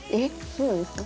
そうなんですか？